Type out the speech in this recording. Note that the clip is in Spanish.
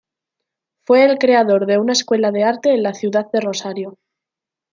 Fue el creador de una Escuela de Arte en la ciudad de Rosario.